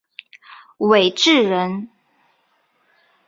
韦陟人。